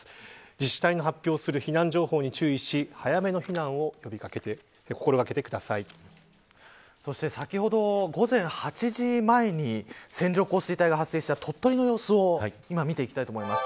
自治体の発表する避難情報に注意し早めの避難をそして先ほど、午前８時前に線状降水帯が発生した鳥取の様子を見ていきたいと思います。